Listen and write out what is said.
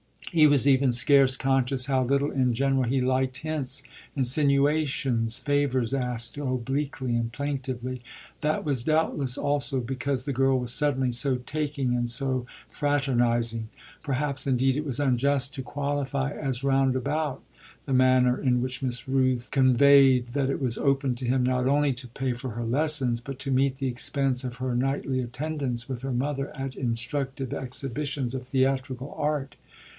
He was even scarce conscious how little in general he liked hints, insinuations, favours asked obliquely and plaintively: that was doubtless also because the girl was suddenly so taking and so fraternising. Perhaps indeed it was unjust to qualify as roundabout the manner in which Miss Rooth conveyed that it was open to him not only to pay for her lessons, but to meet the expense of her nightly attendance with her mother at instructive exhibitions of theatrical art.